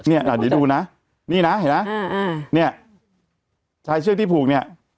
เนี่ยเดี๋ยวดูนะนี่นะเห็นไหมเนี่ยชายเชือกที่ผูกเนี่ย